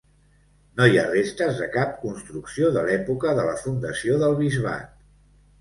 No hi ha restes de cap construcció de l'època de la fundació del bisbat.